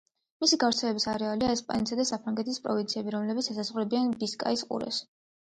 მისი გავრცელების არეალია ესპანეთისა და საფრანგეთის პროვინციები, რომლებიც ესაზღვრებიან ბისკაის ყურეს.